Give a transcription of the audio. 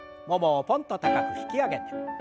ももをぽんと高く引き上げて。